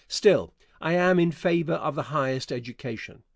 Still, I am in favor of the highest education.